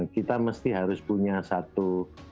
kita mesti harus punya satu